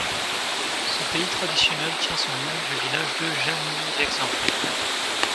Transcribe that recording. Ce pays traditionnel tient son nom du village de Germigny-l'Exempt.